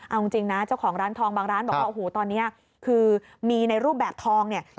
เอาจริงนะเจ้าของร้านทองบางร้านบอกว่าโอ้โหตอนนี้คือมีในรูปแบบทองเนี่ย